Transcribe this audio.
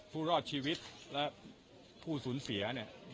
ผู้รอดชีวิตและผู้สูญเสีย